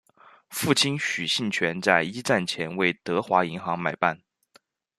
父亲许杏泉在一战前为德华银行买办。